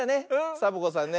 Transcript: サボ子さんね。